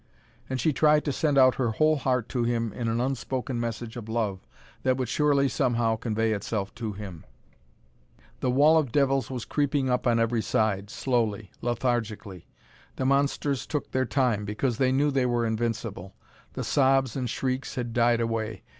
And she tried to send out her whole heart to him in an unspoken message of love that would surely somehow convey itself to him. The wall of devils was creeping up on every side, slowly, lethargically. The monsters took their time, because they knew they were invincible. The sobs and shrieks had died away.